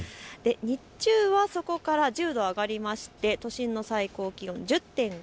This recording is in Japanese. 日中はそこから１０度上がりまして都心の最高気温１０．５度。